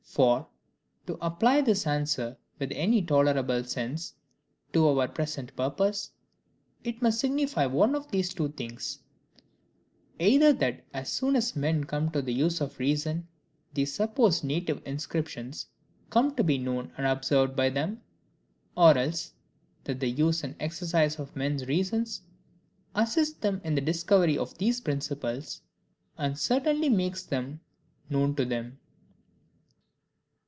For, to apply this answer with any tolerable sense to our present purpose, it must signify one of these two things: either that as soon as men come to the use of reason these supposed native inscriptions come to be known and observed by them; or else, that the use and exercise of men's reason, assists them in the discovery of these principles, and certainly makes them known to them.